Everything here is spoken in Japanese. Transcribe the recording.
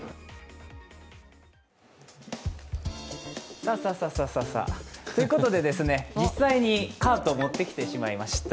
さあさあさあさあ。ということで実際にカートを持ってきてしまいました。